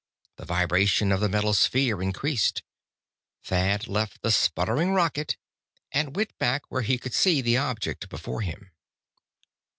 The vibration of the metal sphere increased. Thad left the sputtering rocket and went back where he could see the object before him.